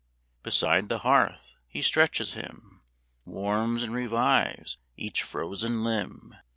Beside the hearth he stretches him, Warms and revives each frozen limb.